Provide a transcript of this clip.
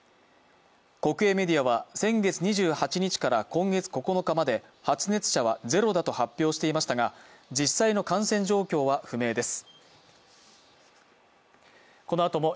国営メディアは先月２８日から今月９日まで発熱者はゼロだと発表していましたが天気予報です。